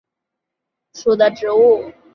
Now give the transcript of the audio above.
砂蓝刺头为菊科蓝刺头属的植物。